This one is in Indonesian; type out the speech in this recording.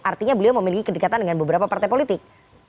artinya beliau memiliki kedekatan dengan beberapa partai politik